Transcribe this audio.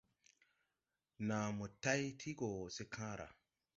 Naa mo tay ti gɔ se kããra.